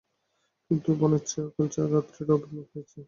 কিন্তু বনচ্ছায়ায় অকালরাত্রির আবির্ভাব হইয়াছে।